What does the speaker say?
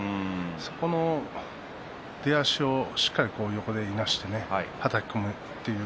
その出足をしっかり横にいなしてはたき込みました。